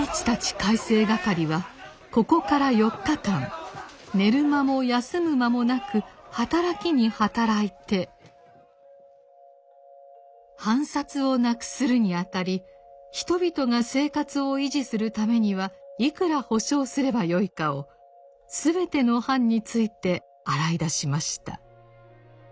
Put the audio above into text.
改正掛はここから４日間寝る間も休む間もなく働きに働いて藩札をなくするにあたり人々が生活を維持するためにはいくら保証すればよいかを全ての藩について洗い出しました。